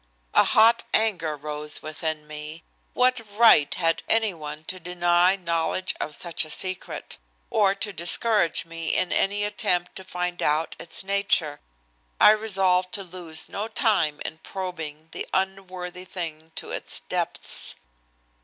A hot anger rose within me. What right had anyone to deny knowledge of such a secret, or to discourage me in any attempt to find out its nature. I resolved to lose no time in probing the unworthy thing to its depths.